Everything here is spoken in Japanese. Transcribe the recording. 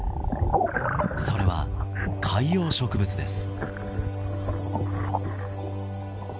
それは、海洋植物です。